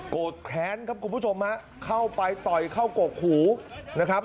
แค้นครับคุณผู้ชมฮะเข้าไปต่อยเข้ากกหูนะครับ